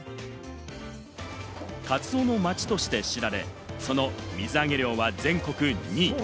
カツオの街として知られ、その水揚げ量は全国２位。